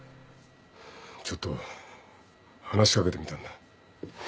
ちょっと話し掛けてみたんだ。